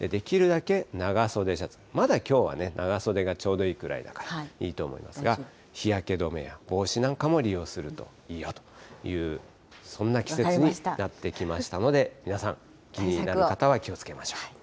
できるだけ長袖シャツ、まだきょうはね、長袖がちょうどいいくらいだから、いいと思いますが、日焼け止めや帽子なんかも利用するといいよという、そんな季節になってきましたので、皆さん、気になる方は気をつけましょう。